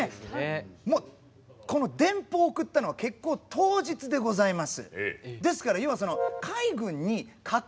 この電報を送ったのは決行当日でございます。